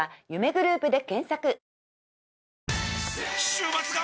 週末が！！